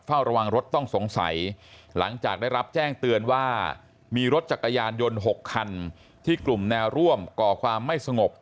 เฝ้าระวังรถต้องสงสัยหลังจากได้รับแจ้งเตือนว่ามีรถจักรยานยนต์๖คันที่กลุ่มแนวร่วมก่อความไม่สงบ